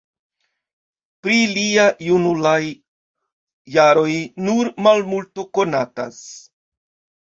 Pri lia junulaj jaroj nur malmulto konatas.